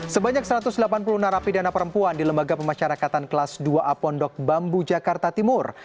sebanyak satu ratus delapan puluh narapidana perempuan di lembaga pemasyarakatan kelas dua a pondok bambu jakarta timur